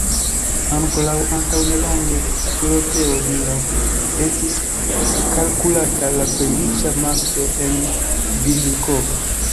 Ankoraŭ antaŭ nelonge Doroteo Nilov estis kalkulata la plej riĉa mastro en Vindirkovo.